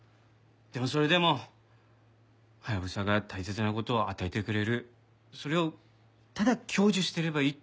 でもそれでもハヤブサが大切な事を与えてくれるそれをただ享受してればいいって思ってました。